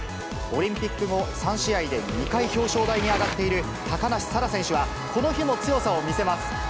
オリンピック後、３試合で２回表彰台に上がっている高梨沙羅選手は、この日も強さを見せます。